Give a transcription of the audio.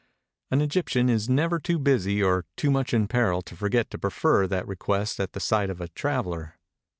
An Egyptian is never too busy or too much in peril to forget to prefer that request at the sight of a traveler.